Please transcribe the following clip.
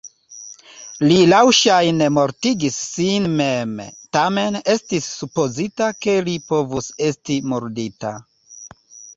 Li laŭŝajne mortigis sin mem, tamen estis supozita ke li povus esti murdita.